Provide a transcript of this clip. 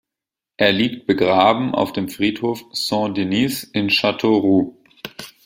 Er liegt begraben auf dem Friedhof Saint-Denis in Châteauroux.